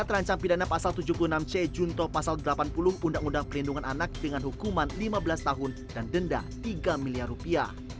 terancam pidana pasal tujuh puluh enam c junto pasal delapan puluh undang undang perlindungan anak dengan hukuman lima belas tahun dan denda tiga miliar rupiah